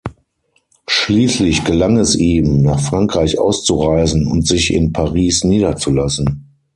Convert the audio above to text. Schließlich gelang es ihm, nach Frankreich auszureisen und sich in Paris niederzulassen.